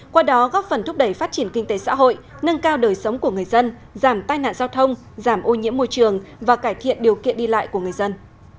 qua đó góp phần thúc đẩy phát triển kinh tế xã hội nâng cao đời sống của người dân giảm tai nạn giao thông giảm ô nhiễm môi trường và cải thiện điều kiện đi lại của người dân